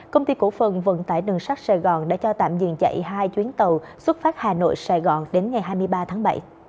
công ty cổ phần vận tải đường sắt sài gòn đã cho tạm dừng chạy hai chuyến tàu xuất phát hà nội sài gòn đến ngày hai mươi ba tháng bảy